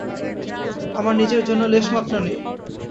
আমার নিজের জন্যে লেশমাত্র নেই।